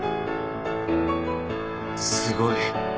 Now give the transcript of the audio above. すごい。